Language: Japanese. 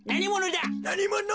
なにものだ？